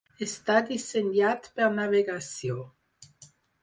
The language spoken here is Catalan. Està dissenyat per navegació.